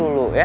ya boleh lah